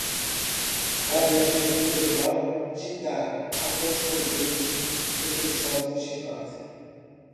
Cabe ao diretor geral ditar a correspondente resolução motivada.